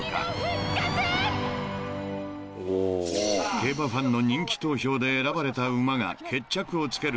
［競馬ファンの人気投票で選ばれた馬が決着をつける］